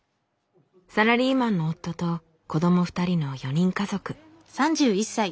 サラリーマンの夫と子ども２人の４人家族。